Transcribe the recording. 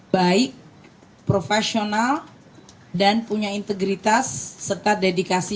baik profesional dan punya integritas serta dedikasi